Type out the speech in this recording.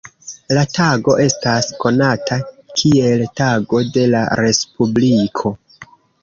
La tago estas konata kiel "Tago de la Respubliko".